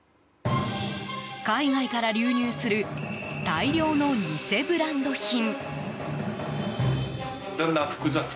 海外から流入する大量の偽ブランド品。